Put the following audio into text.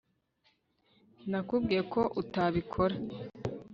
nakubwiye ko utabikora